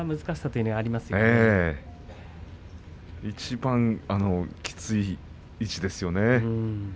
ええいちばんきつい位置ですよね。